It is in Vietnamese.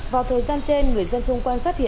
vào thời gian trên người dân xung quanh phát hiện